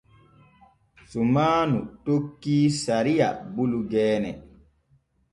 Sumaanu tokkii sariya bulu geene.